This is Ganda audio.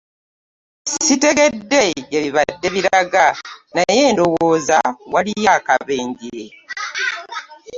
Ssitegedde gye bibadde biraga naye ndowooza waliyo akabenje.